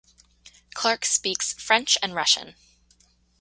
Clark speaks French and Russian.